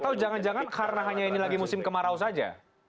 atau jangan jangan karena hanya ini lagi musim kemarau saja